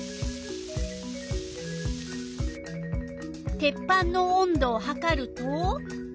鉄板の温度をはかると？